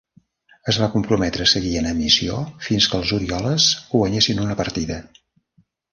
Es va comprometre a seguir en emissió fins que els Orioles guanyessin una partida.